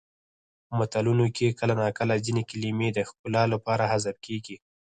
په متلونو کې کله ناکله ځینې کلمې د ښکلا لپاره حذف کیږي